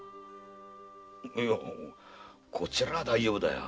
いやこちらは大丈夫だよ。